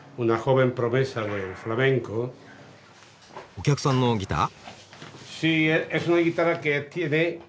お客さんのギター？